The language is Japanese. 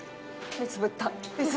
目つぶった。